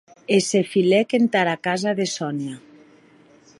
E se filèc entara casa de Sonia.